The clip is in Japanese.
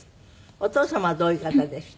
お父様はどういう方でした？